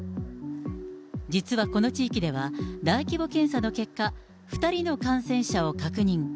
実はこの地域では、大規模検査の結果、２人の感染者を確認。